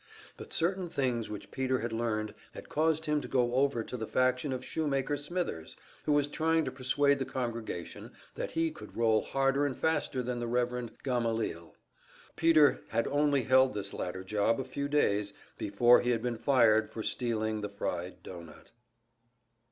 But certain things which Peter had learned had caused him to go over to the faction of Shoemaker Smithers, who was trying to persuade the congregation that he could roll harder and faster than the Rev. Gamaliel. Peter had only held this latter job a few days before he had been fired for stealing the fried doughnut.